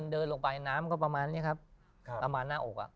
เดินลงไปน้ำก็ประมาณนี้ครับประมาณหน้าอกอ่ะ